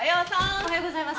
おはようございます。